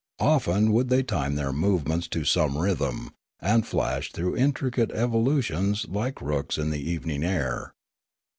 Often would they time their movements to some rhythm, and flash through intricate evolutions like rooks in the evening air.